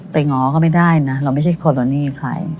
ง้อก็ไม่ได้นะเราไม่ใช่คอโตนี่ใคร